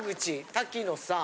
瀧野さん！